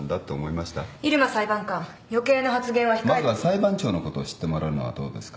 まずは裁判長のことを知ってもらうのはどうですか？